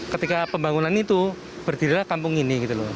ketika pembangunan itu berdirilah kampung ini